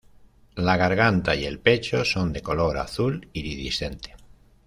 La garganta y el pecho son de color azul iridiscente.